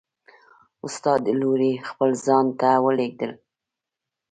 ستا د لورې خپل ځان ته ولیږل!